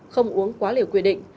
không uống quá liều quy định